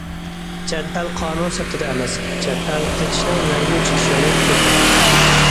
چەت ئەل قانۇن سىرتىدا ئەمەس، چەت ئەل قېچىشنىڭ مەڭگۈ چىقىش يولى يوق.